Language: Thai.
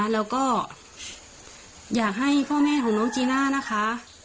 แล้วก็อยากให้พ่อแม่ของน้องจีน่านะคะ